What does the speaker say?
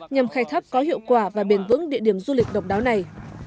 nhằm khai thác có hiệu quả và bền vững địa điểm du lịch độc đáo này